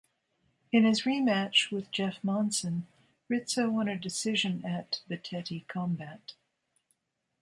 In his rematch with Jeff Monson, Rizzo won a decision at Bitetti Combat.